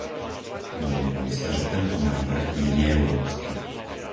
Domnievam sa, že tento návrh je neeurópsky.